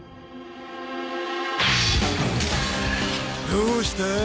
どうした？